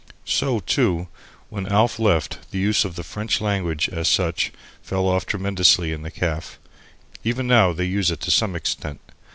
So, too, when Alf left, the use of the French language, as such, fell off tremendously in the caff. Even now they use it to some extent.